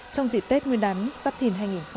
trong dịp tết nguyên đán giáp thìn hai nghìn hai mươi bốn